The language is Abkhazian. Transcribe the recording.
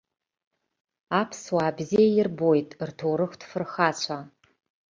Аԥсуаа бзиа ирбоит рҭоурыхтә фырхацәа.